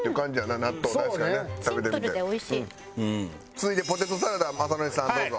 続いてポテトサラダ雅紀さんどうぞ。